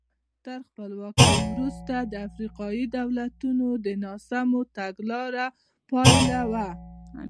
تر خپلواکۍ وروسته د افریقایي دولتونو ناسمو تګلارو پایله وه.